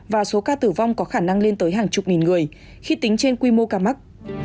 và số ca tử vong có khả năng lên tới hàng chục nghìn người khi tính trên quy mô ca mắc